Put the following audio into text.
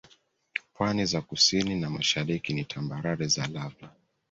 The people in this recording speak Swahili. Pwani za kusini na mashariki ni tambarare za Lava